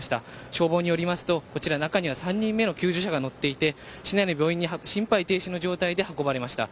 消防によりますとこちら中には３人目の救助者が乗っていて市内の病院に心肺停止の状態で運ばれました。